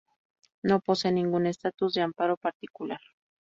No posee ningún estatus de amparo particular.